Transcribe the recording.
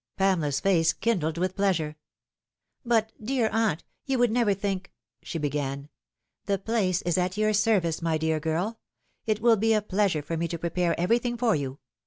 Pamela's face kindled with pleasure. " But, dear aunt, you would never think " she began. " The place is at your service, my dear girl. It will be a pleasure for me to prepare everything for you.